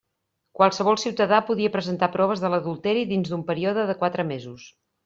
Qualsevol ciutadà podia presentar proves de l'adulteri dins d'un període de quatre mesos.